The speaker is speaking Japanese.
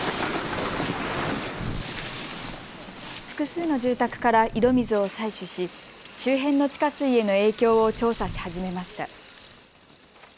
複数の住宅から井戸水を採取し周辺の地下水への影響を調査し始めました。